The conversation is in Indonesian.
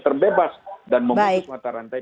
terbebas dan memutus mata rantai